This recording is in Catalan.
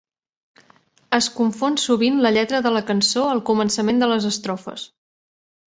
Es confon sovint la lletra de la cançó al començament de les estrofes.